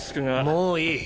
もういい。